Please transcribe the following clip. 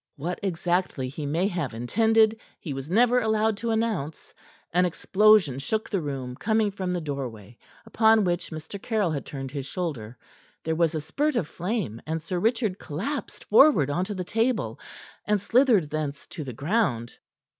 What exactly he may have intended, he was never allowed to announce. An explosion shook the room, coming from the doorway, upon which Mr. Caryll had turned his shoulder; there was a spurt of flame, and Sir Richard collapsed forward onto the table, and slithered thence to the ground.